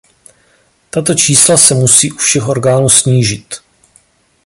Tato čísla se musí u všech orgánů snížit.